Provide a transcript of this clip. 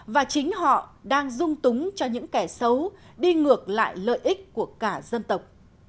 và chính họ đang dung túng cho những kẻ xấu đi ngược lại lợi ích của cả dân tộc